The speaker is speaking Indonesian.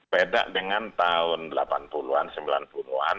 beda dengan tahun delapan puluh an sembilan puluh an